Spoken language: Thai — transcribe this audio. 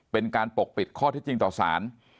เป็นการปกปิดข้อที่จริงต่อศาล